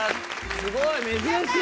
すごい珍しい。